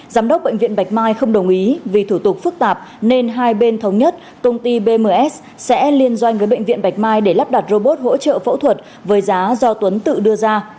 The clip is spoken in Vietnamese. giám đốc bệnh viện bạch mai không đồng ý vì thủ tục phức tạp nên hai bên thống nhất công ty bms sẽ liên doanh với bệnh viện bạch mai để lắp đặt robot hỗ trợ phẫu thuật với giá do tuấn tự đưa ra